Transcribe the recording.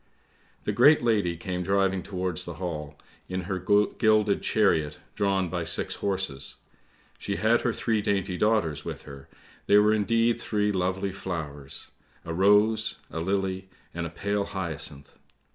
" The great lady came driving towards the Hall, in her gilded chariot drawn by six horses. She had her three dainty daughters with her, they were indeed three lovely flowers. A rose, a lily, and a pale hyacinth.